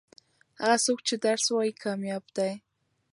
هغه څوک چې درس وايي کامياب دي.